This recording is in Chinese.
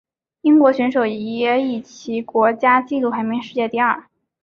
英国选手也以其国家纪录排名世界第二。